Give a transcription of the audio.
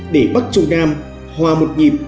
để bắt chung nam hòa một nhịp